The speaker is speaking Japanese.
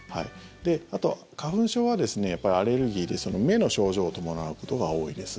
あと、花粉症はアレルギーで目の症状を伴うことが多いです。